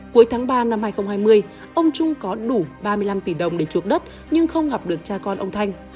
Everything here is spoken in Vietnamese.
cuối tháng ba năm hai nghìn hai mươi ông trung có đủ ba mươi năm tỷ đồng để chuộc đất nhưng không gặp được cha con ông thanh